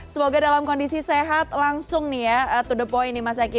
semoga dalam kondisi sehat langsung nih ya to the point nih mas eki